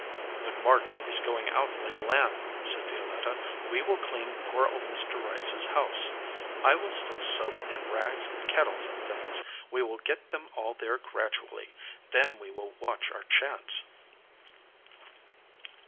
"When March is going out like a lamb," said Violetta, "we will clean poor old Mr. Rice s house. 33 EDGEWATER PEOPLE I will steal soap and rags and kettles and things. We will get them all there gradually. Then we will watch our chance."